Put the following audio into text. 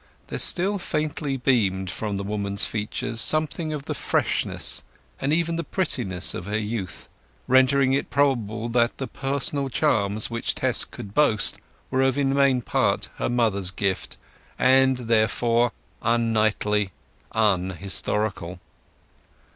There still faintly beamed from the woman's features something of the freshness, and even the prettiness, of her youth; rendering it probable that the personal charms which Tess could boast of were in main part her mother's gift, and therefore unknightly, unhistorical.